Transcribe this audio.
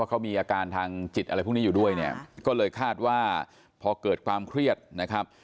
เขามีอาการทางจิตอะไรพวกนี้อยู่ด้วยเนี่ยก็เลยคาดว่าพอเกิดความเครียดนะครับ